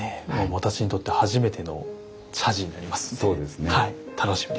私にとって初めての茶事になります。